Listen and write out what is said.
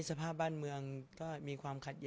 สงฆาตเจริญสงฆาตเจริญ